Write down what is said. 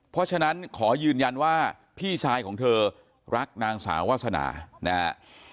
เพราะฉะนั้นขอยืนยันว่าพี่ชายของเธอรักนางสาววาสนานะฮะ